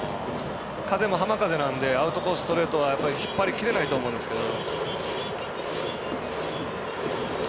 風も浜風なんでアウトコースのストレートは引っ張りきれないと思いますけど。